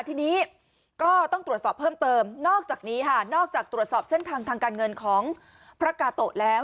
ทีนี้ก็ต้องตรวจสอบเพิ่มเติมนอกจากนี้ค่ะนอกจากตรวจสอบเส้นทางทางการเงินของพระกาโตะแล้ว